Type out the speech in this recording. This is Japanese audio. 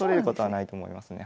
ないと思いますね。